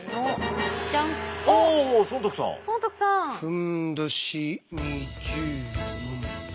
ふんどし２０文。